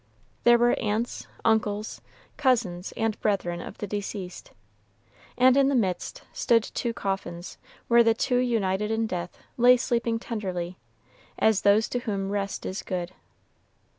There were aunts, uncles, cousins, and brethren of the deceased; and in the midst stood two coffins, where the two united in death lay sleeping tenderly, as those to whom rest is good.